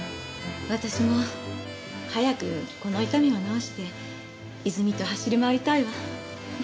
私も早くこの痛みを治して泉と走り回りたいわ。